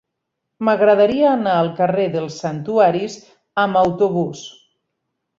M'agradaria anar al carrer dels Santuaris amb autobús.